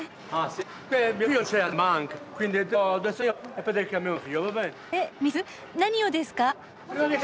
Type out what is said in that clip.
えっ見せる？何をですか？